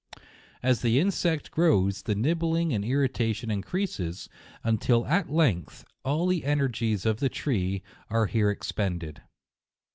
As the insect grows, the nibbling and irrita tion increases, until at length all the energies of the tree are here expended.